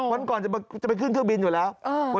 วันก่อนจะไปขึ้นเครื่องบินอยู่แล้ว